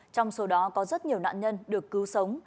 trong số đó có rất nhiều nạn nhân được cứu sống